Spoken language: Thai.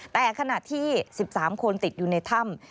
แต่ขณะที่๑๓คนติดอยู่ในถ้ำ